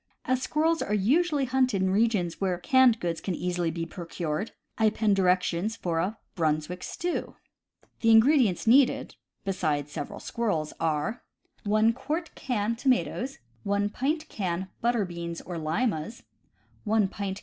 As squirrels are usually hunted in regions where canned goods can easily be procured, I append direc tions for a Brunswick Stew. — The ingredients needed, besides several squirrels, are: CAMP COOKERY 143 1 qt. can tomatoes, 1 pt. " butter beans or limas, 1 pt.